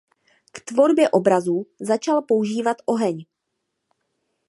K tvorbě obrazů začal používat oheň.